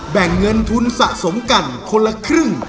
แบ่งเงินทุนสะสมกันคนละครึ่ง